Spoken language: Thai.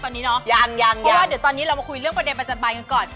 เพราะว่าเดี๋ยวตอนนี้เรามาคุยเรื่องประเด็นประจำบานกันก่อน